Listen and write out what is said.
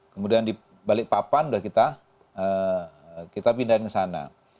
kemudian di balikpapan sudah kita pindahin ke sana